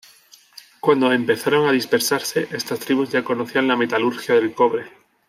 Cuando empezaron a dispersarse, estas tribus ya conocían la metalurgia del cobre.